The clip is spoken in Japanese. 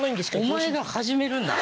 お前が始めるんだ！